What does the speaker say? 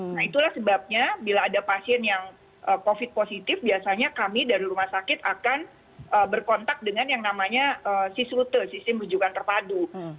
nah itulah sebabnya bila ada pasien yang covid positif biasanya kami dari rumah sakit akan berkontak dengan yang namanya sisrute sistem rujukan terpadu